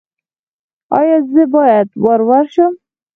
ایا زه باید ورور شم؟